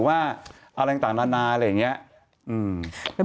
ว่าอะไรต่างนานาอะไรอย่างนี้